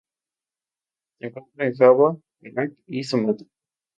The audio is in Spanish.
Se encuentra en Java, Perak y Sumatra.